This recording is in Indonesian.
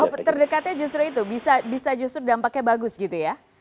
kalau terdekatnya justru itu bisa justru dampaknya bagus gitu ya